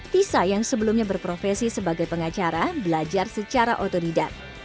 tisa yang sebelumnya berprofesi sebagai pengacara belajar secara otodidak